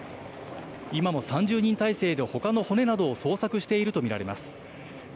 今も３０人態勢で他の骨などを捜索しているとみられます。